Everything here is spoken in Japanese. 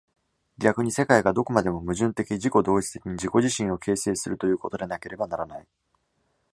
逆に世界がどこまでも矛盾的自己同一的に自己自身を形成するということでなければならない。